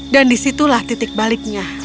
dan disitulah titik baliknya